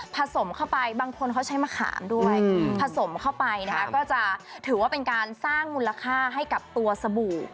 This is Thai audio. สมเข้าไปบางคนเขาใช้มะขามด้วยผสมเข้าไปนะคะก็จะถือว่าเป็นการสร้างมูลค่าให้กับตัวสบู่